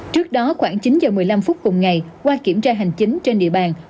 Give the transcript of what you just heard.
trước đó khoảng chín h một mươi năm phút cùng ngày qua kiểm tra hành chính trên địa bàn